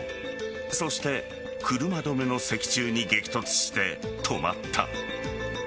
そして、車止めの石柱に激突して止まった。